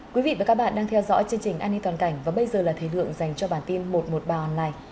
quý vị và các bạn đang theo dõi chương trình an ninh toàn cảnh và bây giờ là thời lượng dành cho bản tin một trăm một mươi ba online